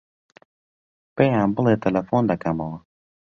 پێیان بڵێ تەلەفۆن دەکەمەوە.